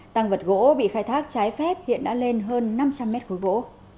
tăng vật gỗ bị khai thác trái phép hiện đã lên hơn năm trăm linh m khối vỗ